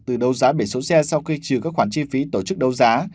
từ đấu giá biển số xe sau khi trừ các khoản chi phí tổ chức đấu giá